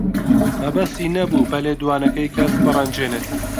مەبەستی نەبوو بە لێدوانەکەی کەس بڕەنجێنێت.